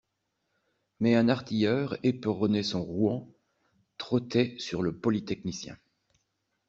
Mais un artilleur éperonnait son rouan, trottait sur le polytechnicien.